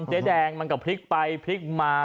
เจ๊แดงมันก็พลิกไปพลิกมา